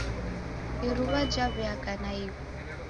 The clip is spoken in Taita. Iruwa jaweaka naighu.